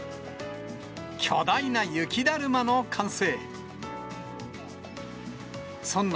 巨大な雪だるまの完成。